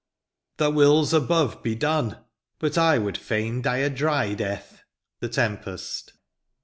The wills above be done 1 but I would fain die a dry death.— The Tempest.